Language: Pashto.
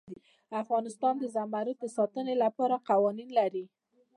افغانستان د زمرد د ساتنې لپاره قوانین لري.